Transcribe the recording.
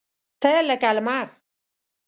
تۀ لکه لمر !